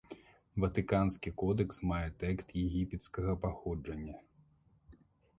Ватыканскі кодэкс мае тэкст егіпецкага паходжання.